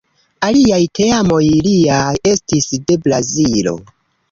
Aliaj teamoj liaj estis de Brazilo.